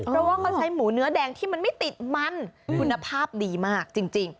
เราก็ก็ใช้หมูเนื้อแดงที่มันไม่ติดมันอืมคุณภาพดีมากจริงจริง